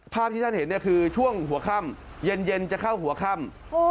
ภาพที่ท่านเห็นคือช่วงหัวค่ำเย็นจะเข้าหัวค่ำ